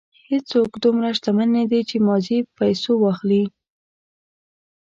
هېڅوک دومره شتمن نه دی چې ماضي په پیسو واخلي.